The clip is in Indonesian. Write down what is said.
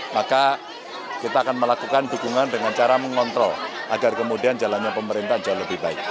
maka kita akan melakukan dukungan dengan cara mengontrol agar kemudian jalannya pemerintah jauh lebih baik